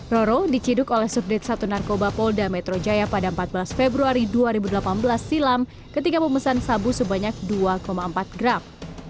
roro diciduk oleh subdit satu narkoba polda metro jaya pada empat belas februari dua ribu delapan belas silam ketika memesan sabu sebanyak dua empat gram